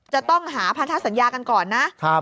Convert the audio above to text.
จะต้องหาพันธสัญญากันก่อนนะ